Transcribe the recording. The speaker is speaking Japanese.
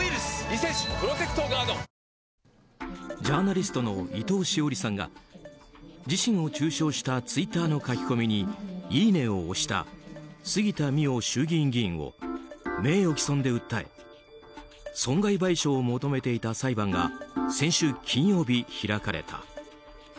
ジャーナリストの伊藤詩織さんが自身を中傷したツイッターの書き込みにいいねを押した杉田水脈衆院議員を名誉棄損で訴え損害賠償を求めた板裁判が先週金曜日、開かれた。